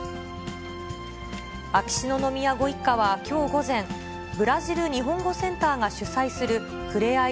秋篠宮ご一家はきょう午前、ブラジル日本語センターが主催するふれあい